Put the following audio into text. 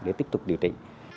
để tiếp tục điều trị